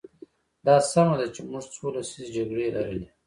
دا سمه ده چې موږ څو لسیزې جګړې لرلې.